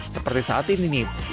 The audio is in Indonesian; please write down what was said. seperti saat ini nih